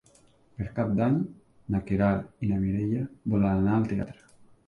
Per Cap d'Any na Queralt i na Mireia volen anar al teatre.